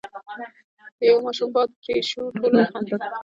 ، د يوه ماشوم باد پرې شو، ټولو وخندل،